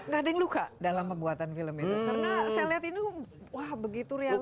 gak ada yang luka dalam pembuatan film itu karena saya lihat ini wah begitu real